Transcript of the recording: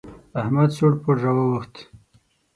احمد سوړ پوړ را واوښت.